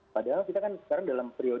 padahal kita kan sekarang dalam periode